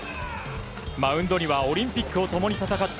マウンドにはオリンピックを共に戦った